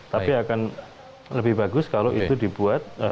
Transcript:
tapi akan lebih bagus kalau itu dibuat